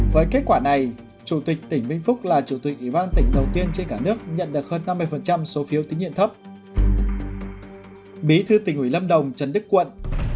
với kết quả này chủ tịch tỉnh vĩnh phúc là chủ tịch uy ban dân tỉnh đầu tiên trên cả nước nhận được hơn năm mươi số phiếu tín nhiệm thấp